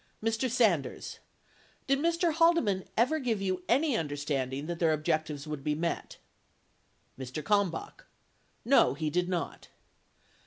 Mr. Sanders. Did Mr. Haldeman ever give you any under standing that their objectives would be met ? Mr. Kalmbach. No, he did not.